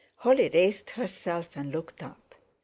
Holly raised herself and looked up.